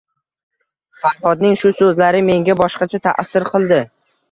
Farhodning shu so`zlari menga boshqacha ta`sir qildi